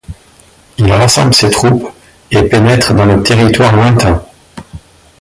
Il rassemble ses troupes et pénètre dans le territoire latin.